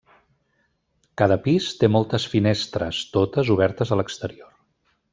Cada pis té moltes finestres, totes obertes a l'exterior.